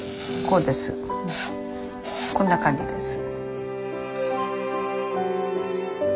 こんな感じです。